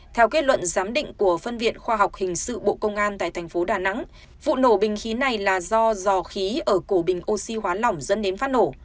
theo kết luận giám định của phân viện khoa học hình sự bộ công an tại thành phố đà nẵng vụ nổ bình khí này là do dò khí ở cổ bình oxy hóa lỏng dẫn đến phát nổ